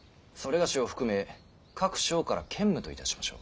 某を含め各省から兼務といたしましょう。